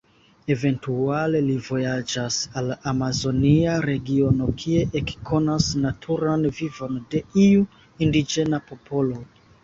Eventuale li vojaĝas al amazonia regiono kie ekkonas naturan vivon de iu indiĝena popolo.